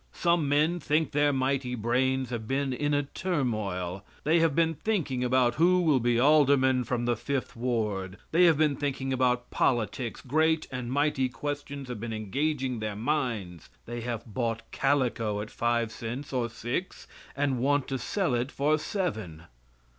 Some men think their mighty brains have been in a turmoil; they have been thinking about who will be Alderman from the Fifth Ward; they have been thinking about politics, great and mighty questions have been engaging their minds, they have bought calico at five cents or six, and want to sell it for seven.